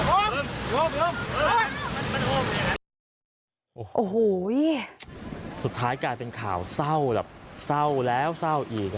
โอ้โหสุดท้ายกลายเป็นข่าวเศร้าแบบเศร้าแล้วเศร้าอีก